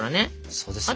そうですよね。